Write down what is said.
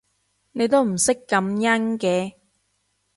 你都唔識感恩嘅